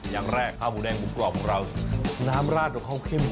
อย่างแรกข้าวหมูแดงหมูกรอบไอ้คุณเรานามราดก็เข้าเข้มโค้นมาก